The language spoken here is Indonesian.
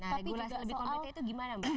nah regulasi lebih komplitnya itu gimana mbak